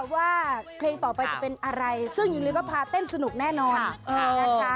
ว่าเพลงต่อไปจะเป็นอะไรซึ่งหญิงลีก็พาเต้นสนุกแน่นอนนะคะ